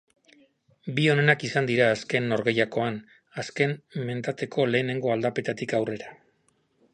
Bi onenak izan dira azken norgehiagokan, azken mendateko lehenengo aldapetatik aurrera.